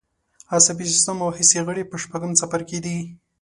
عصبي سیستم او حسي غړي په شپږم څپرکي کې دي.